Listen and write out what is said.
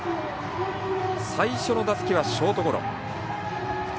最初の打席はショートゴロ。